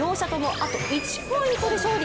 あと１ポイントで勝利。